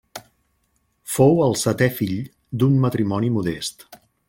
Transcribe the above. Fou el setè fill d'un matrimoni modest.